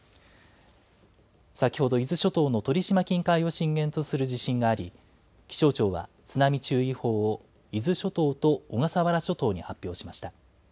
先ほど、伊豆諸島の鳥島近海を震源とする地震があり、気象庁は津波注意報を伊豆諸島と小笠原諸島に発表しました。